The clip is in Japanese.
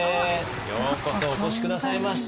ようこそお越し下さいました。